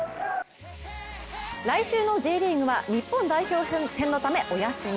来週のＪリーグは日本代表戦のためお休み。